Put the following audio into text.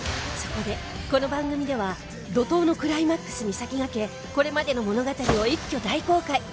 そこでこの番組では怒濤のクライマックスに先駆けこれまでの物語を一挙大公開